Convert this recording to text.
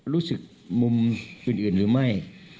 รู้สึกมุมอื่นหรือไม่